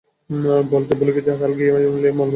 বলতে ভুলে গেছি, কাল গিয়ে ঐ মল মালিকের পায়ে পড়তে হবে।